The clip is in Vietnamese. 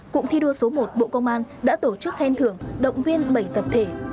cụm thi đua số một bộ công an đã tổ chức khen thưởng động viên bảy tập thể